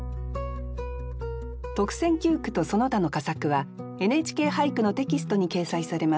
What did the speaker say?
特選九句とその他の佳作は「ＮＨＫ俳句」のテキストに掲載されます。